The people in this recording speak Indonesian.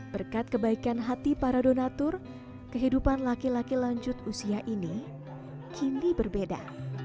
berkat kebaikan hati para donatur kehidupan laki laki lanjut usia ini kini berbeda